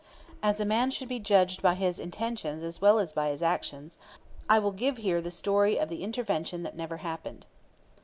As a man should be judged by his intentions as well as by his actions, I will give here the story of the intervention that never happened.